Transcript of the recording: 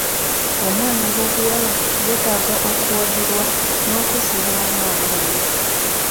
Omwana ow'obuwala yetaaga okuwagirwa nokuzibwamu amaanyi.